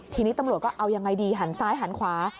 ทีนี้ตำรวจก็เอายังไงดีหันซ้ายหันขวา